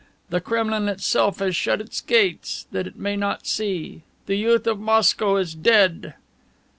The Kremlin itself has shut its gates that it may not see. The youth of Moscow is dead!"